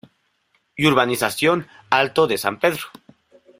Y urbanización alto de San Pedro.